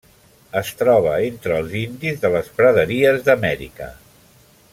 Es troba entre els indis de les praderies d'Amèrica.